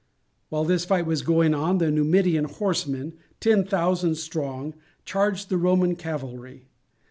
While this fight was going on the Numidian horsemen, ten thousand strong, charged the Roman cavalry.